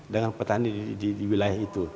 dengan petani di wilayah itu